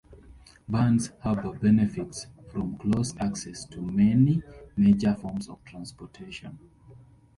Burns Harbor benefits from close access to many major forms of transportation.